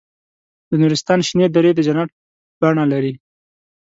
د نورستان شنې درې د جنت بڼه لري.